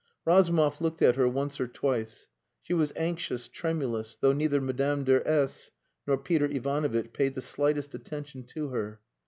Razumov looked at her once or twice. She was anxious, tremulous, though neither Madame de S nor Peter Ivanovitch paid the slightest attention to her.